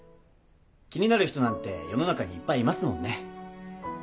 気になる人なんて世の中にいっぱいいますもんね。